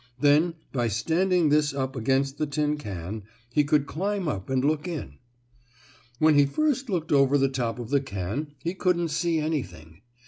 Then, by standing this up against the tin can, he could climb up and look in. When he first looked over the top of the can he couldn't see anything.